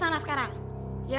iya mbak tenang aja